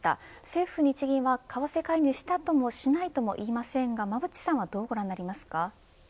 政府、日銀は為替介入したともしないともいいませんが馬渕さんはどうご覧になりますか。